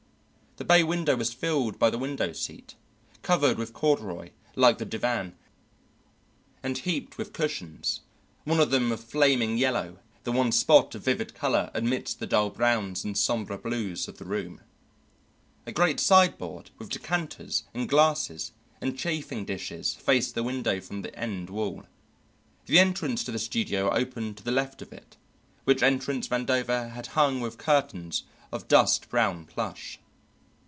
The bay window was filled by the window seat, covered with corduroy like the divan and heaped with cushions, one of them of flaming yellow, the one spot of vivid colour amidst the dull browns and sombre blues of the room. A great sideboard with decanters and glasses and chafing dishes faced the window from the end wall. The entrance to the studio opened to the left of it, which entrance Vandover had hung with curtains of dust brown plush.